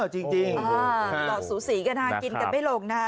ใช่อ๋อจริงครับอ๋อหล่อสูสีกันนะกินกันไม่หลงนะ